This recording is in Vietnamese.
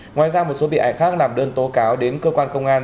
ngoài ra một số bị hại khác làm đơn tố cáo đến cơ quan công an